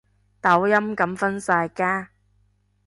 抖音噉分晒家